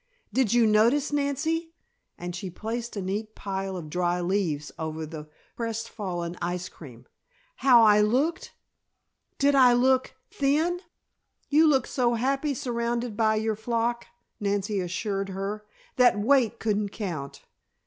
Did you notice, Nancy," and she placed a neat pile of dry leaves over the crest fallen ice cream, "how I looked? Did I look thin?" "You looked so happy surrounded by your flock," Nancy assured her, "that weight couldn't count.